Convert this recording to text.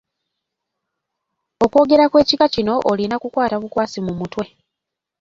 Okwogera okw'ekika kino olina kukukwata bukwasi mu mutwe.